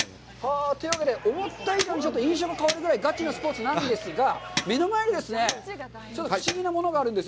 というわけで、思った以上に印象の変わるぐらい、ガチなスポーツなんですが、目の前にちょっと不思議なものがあるんですよ。